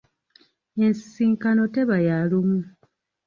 Ensisinkano teba ya lumu.